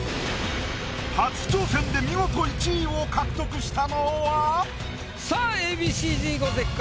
初挑戦で見事１位を獲得したのは⁉さあＡ．Ｂ．Ｃ−Ｚ五関か？